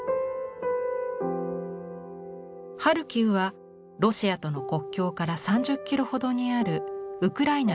ハルキウはロシアとの国境から３０キロほどにあるウクライナ